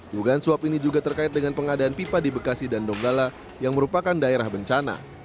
dugaan suap ini juga terkait dengan pengadaan pipa di bekasi dan donggala yang merupakan daerah bencana